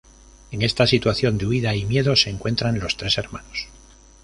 En esta situación de huida y miedo se encuentran los tres hermanos.